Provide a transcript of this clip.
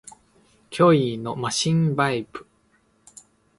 脅威のマシンバイブ